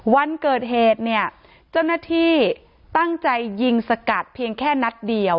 วันเกิดเหตุเนี่ยเจ้าหน้าที่ตั้งใจยิงสกัดเพียงแค่นัดเดียว